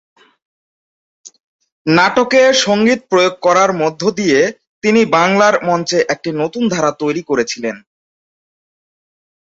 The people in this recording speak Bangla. নাটকে সংগীত প্রয়োগ করার মধ্য দিয়ে তিনি বাংলার মঞ্চে একটি নতুন ধারা তৈরি করেছিলেন।